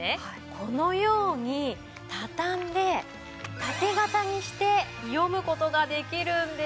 このように畳んで縦型にして読む事ができるんです。